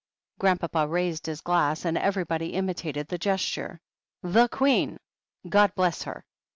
Grandpapa raised his glass, and everybody imitated the gesture. "The Queen! God bless her."